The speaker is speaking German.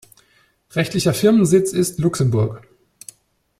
Rechtlicher Firmensitz ist Luxemburg.